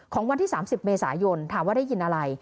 วันที่๓๐เมษายนถามว่าได้ยินอะไร